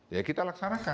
ya kita laksanakan